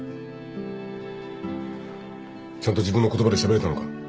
ちゃんと自分の言葉でしゃべれたのか？